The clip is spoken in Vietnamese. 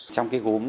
trong cái gốm